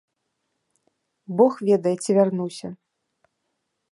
Бог ведае, ці вярнуся.